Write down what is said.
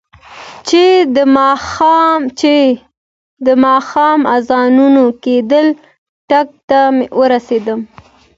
چې د ماښام اذانونه کېدل، ټک ته ورسېدم.